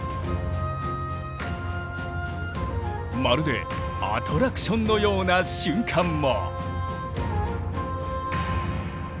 まるでアトラクションのような瞬間も。